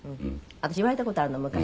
私言われた事あるの昔。